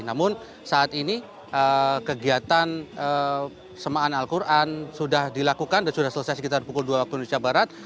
namun saat ini kegiatan semaan al quran sudah dilakukan dan sudah selesai sekitar pukul dua waktu indonesia barat